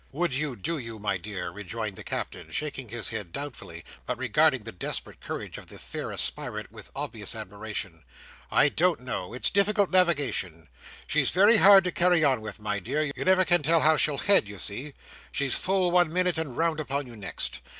"Would you, do you, my dear?" rejoined the Captain, shaking his head doubtfully, but regarding the desperate courage of the fair aspirant with obvious admiration. "I don't know. It's difficult navigation. She's very hard to carry on with, my dear. You never can tell how she'll head, you see. She's full one minute, and round upon you next.